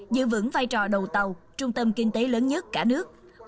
giữ vững vai trò đầu tàu trung tâm kinh tế lớn nhất cả nước